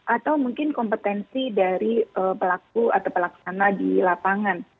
atau mungkin kompetensi dari pelaku atau pelaksana di lapangan